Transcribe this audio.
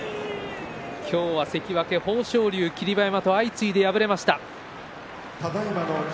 今日は関脇豊昇龍、霧馬山と相次いで敗れました。